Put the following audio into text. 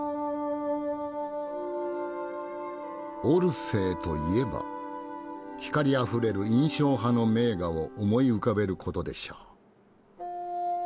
オルセーといえば光あふれる印象派の名画を思い浮かべることでしょう。